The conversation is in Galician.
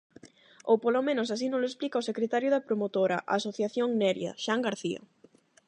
Ou polo menos así nolo explica o secretario da promotora, a asociación Neria, Xan García.